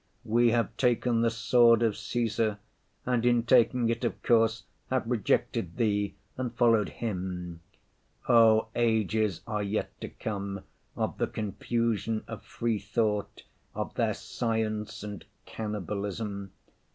We have taken the sword of Cæsar, and in taking it, of course, have rejected Thee and followed him. Oh, ages are yet to come of the confusion of free thought, of their science and cannibalism.